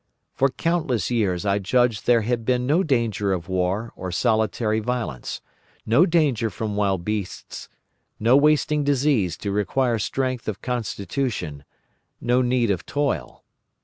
For countless years I judged there had been no danger of war or solitary violence, no danger from wild beasts, no wasting disease to require strength of constitution, no need of toil.